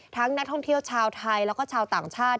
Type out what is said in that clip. นักท่องเที่ยวชาวไทยแล้วก็ชาวต่างชาติ